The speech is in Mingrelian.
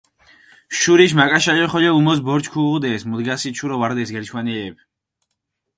შურიშ მაკაშალო ხოლო უმოს ბორჯი ქუღუდეს, მუდგასით შურო ვარდეს გერჩქვანელეფი.